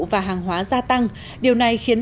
và hàng hóa gia tăng điều này khiến